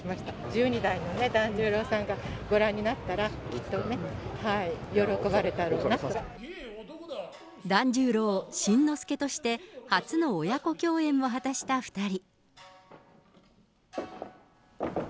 十二代の團十郎さんがご覧になったら、きっとね、喜ばれたろうな團十郎、新之助として初の親子共演を果たした２人。